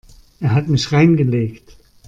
Er hat mich reingelegt.